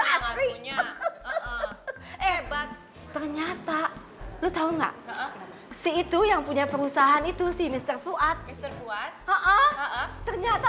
hebat ternyata lu tahu nggak sih itu yang punya perusahaan itu sih mister fuad mister fuad ternyata